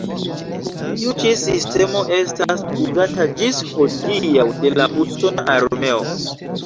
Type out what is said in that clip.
Tiu ĉi sistemo estas uzata ĝis hodiaŭ de la usona armeo.